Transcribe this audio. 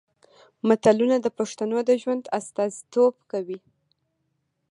متلونه د پښتنو د ژوند استازیتوب کوي